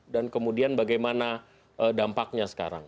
dan kemudian bagaimana dampaknya sekarang